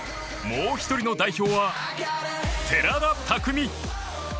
もう１人の代表は寺田拓未。